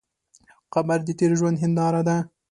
قبر د تېر ژوند هنداره ده.